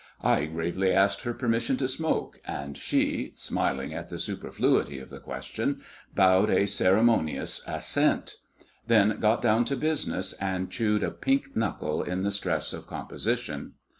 I gravely asked her permission to smoke, and she, smiling at the superfluity of the question, bowed a ceremonious assent; then got down to business, and chewed a pink knuckle in the stress of composition.